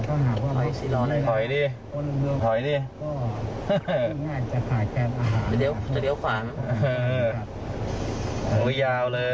เฉินเลยอ่ะ